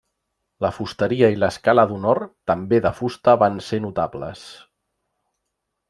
La fusteria i l'escala d'honor també de fusta van ser notables.